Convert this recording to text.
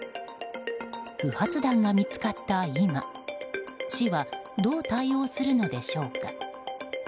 不発弾が見つかった今市はどう対応するのでしょうか。